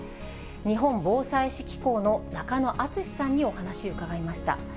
日本防災士機構の中野篤さんにお話、伺いました。